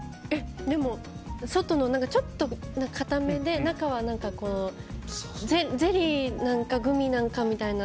でも、外がちょっと硬めで中はゼリーなのかグミなのかみたいな。